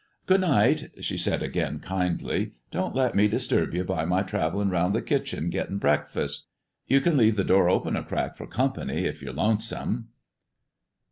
"Good night," she said again, kindly. "Don't let me disturb ye by my travelin' round the kitchen gettin' breakfast. You can leave the door open a crack for company, if you're lonesome."